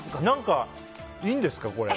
いいんですか、これ。